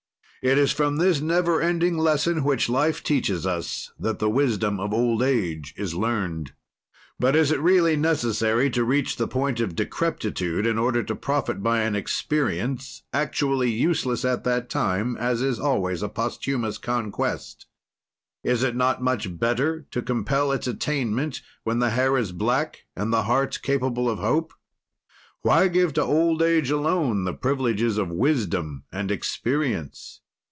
It is from this never ending lesson which life teaches us that the wisdom of old age is learned. But is it really necessary to reach the point of decrepitude, in order to profit by an experience, actually useless at that time, as is always a posthumous conquest. "Is it not much better to compel its attainment when the hair is black and the heart capable of hope? "Why give to old age alone the privileges of wisdom and experience?